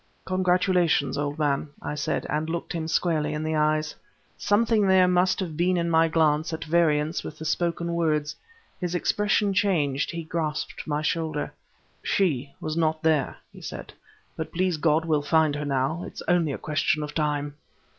"Congratulations, old man," I said, and looked him squarely in the eyes. Something there must have been in my glance at variance with the spoken words. His expression changed; he grasped my shoulder. "She was not there," he said, "but please God, we'll find her now. It's only a question of time."